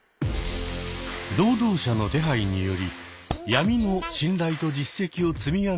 労働者の手配により闇の信頼と実績を積み上げていったマサヒコさん。